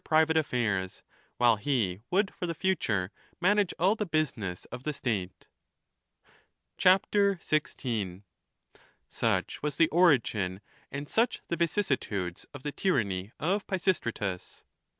27 private affairs, while he would for the future manage all the business of the state. 1 6. Such was the origin and such the vicis situdes of the tyranny of Pisistratus.